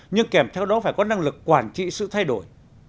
nhưng kèm theo đó phải có năng lực quản trị sự thay đổi